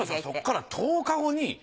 そこから１０日後に。